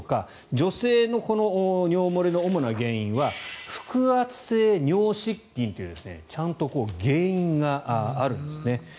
女性の尿漏れの主な原因は腹圧性尿失禁というちゃんと原因があるんですね。